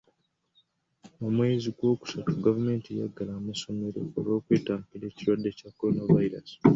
Mu mwezi gw'okustu gavumenti yaggala amasomero olw'okwetangira ekirwadde kya coronavirus.